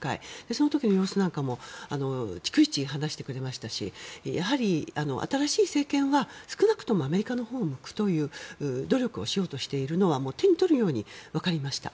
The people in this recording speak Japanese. その時の様子なんかも逐一話してくれましたしやはり、新しい政権は少なくともアメリカのほうを向くという努力をしようとしているのは手に取るようにわかりました。